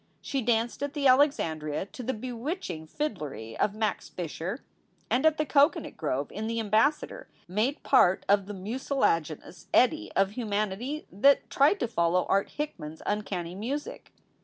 She danced at the Alexandria to the bewitching fiddlery of Max Fischer; and at the Cocoanut Grove in the Ambassador made part of the mucilaginous eddy of human ity that tried to follow Art Hickman s uncanny music.